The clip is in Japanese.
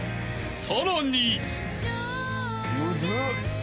［さらに］